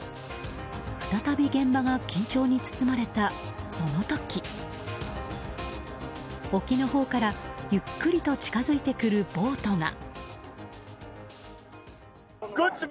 再び現場が緊張に包まれたその時沖のほうからゆっくりと近づいてくるボートが。